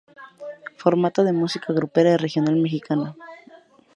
Formato de música grupera y regional mexicana.